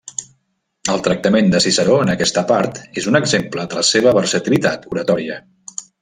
El tractament de Ciceró en aquesta part és un exemple de la seva versatilitat oratòria.